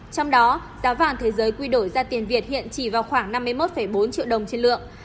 trong đó giá vàng thế giới quy đổi ra tiền việt hiện chỉ vào khoảng năm mươi một bốn triệu đồng trên lượng